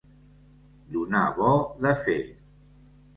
Donar bo de fer.